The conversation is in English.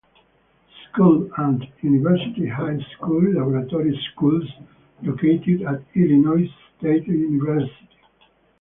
School and University High School, laboratory schools located at Illinois State University.